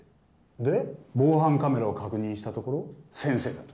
で防犯カメラを確認したところ先生だと。